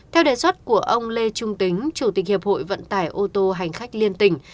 theo đề xuất của ông lê trung tính chủ tịch hiệp hội vận tải ô tô hành khách liên tỉnh